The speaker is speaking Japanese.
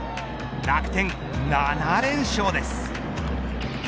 楽天７連勝です。